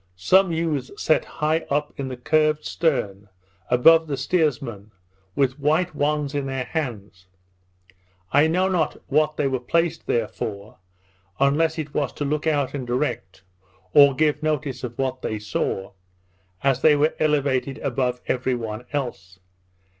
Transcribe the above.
Some youths sat high up in the curved stern, above the steersmen, with white wands in their hands. I know not what they were placed there for, unless it was to look out and direct, or give notice of what they saw, as they were elevated above every one else.